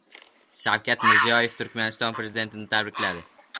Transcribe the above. Shavkat Mirziyoyev Turkmaniston Prezidentini tabrikladi